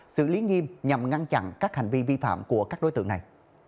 xử lý nghiêm nhằm ngăn chặn các hành vi vi phạm của các đối tượng này